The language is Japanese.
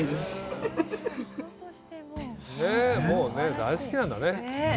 大好きなんだね。